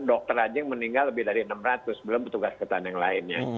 dokter anjing meninggal lebih dari enam ratus belum petugas kesehatan yang lainnya